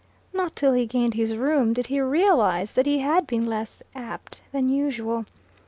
Not till he gained his room did he realize that he had been less apt than usual.